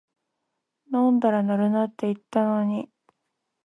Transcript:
飲んだら乗るなって言ったのに